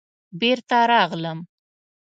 بېرته راغلم.